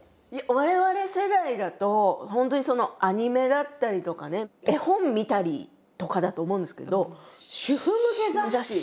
我々世代だと本当にアニメだったりとかね絵本見たりとかだと思うんですけど主婦向け雑誌！